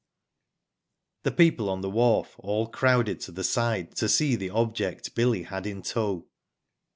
The people on the wharf all crowded to the side to see the object Billy had in tow.